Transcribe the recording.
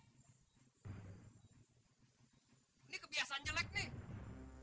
ini kebiasaan jelek nih